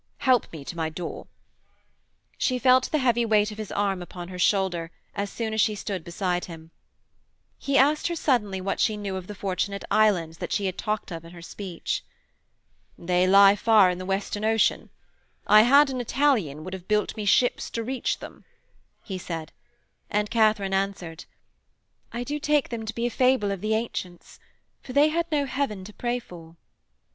Help me to my door.' She felt the heavy weight of his arm upon her shoulder as soon as she stood beside him. He asked her suddenly what she knew of the Fortunate Islands that she had talked of in her speech. 'They lie far in the Western Ocean; I had an Italian would have built me ships to reach them,' he said, and Katharine answered: 'I do take them to be a fable of the ancients, for they had no heaven to pray for.'